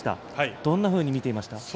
どんなふうに見ていました？